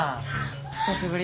久しぶり。